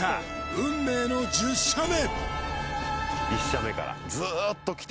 運命の１０射目